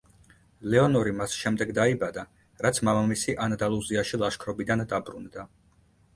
ლეონორი მას შემდეგ დაიბადა, რაც მამამისი ანდალუსიაში ლაშქრობიდან დაბრუნდა.